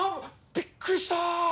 びっくりした！